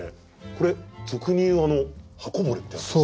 これ俗に言うあの刃こぼれってやつですか？